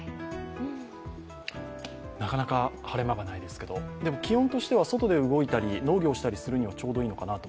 なかなか晴れ間がないですけどでも気温としては外で動いたり、農業したりするにはちょうどいいのかなと。